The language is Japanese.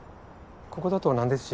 ここだとなんですし。